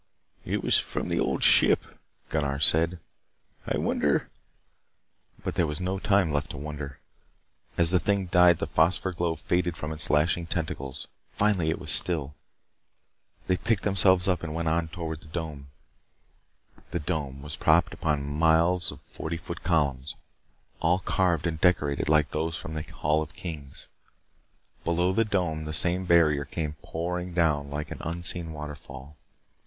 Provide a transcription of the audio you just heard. "It was from the Old Ship," Gunnar said. "I wonder " But there was no time left to wonder. As the thing died, the phosphor glow faded from its lashing tentacles. Finally it was still. They picked themselves up and went on toward the dome. The dome was propped upon miles of forty foot columns, all carved and decorated like those from the Hall of Kings. Below the dome, the same barrier came pouring down like an unseen waterfall.